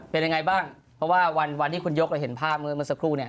เป็นยังไงบ้างเพราะว่าวันที่คุณยกเราเห็นภาพเมื่อสักครู่เนี่ย